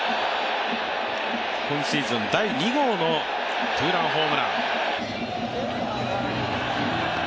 今シーズン第２号のツーランホームラン。